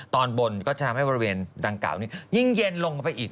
ตอนบนก็จะทำให้บริเวณดังกล่าวนี้ยิ่งเย็นลงไปอีก